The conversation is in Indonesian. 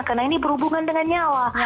karena ini berhubungan dengan nyawa